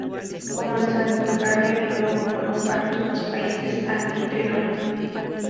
Comenzó en Bulgaria y luego fueron varios los países anfitriones.